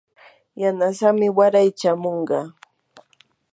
yanasamii waray chamunqa.